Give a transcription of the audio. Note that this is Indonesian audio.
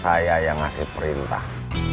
saya yang ngasih perintah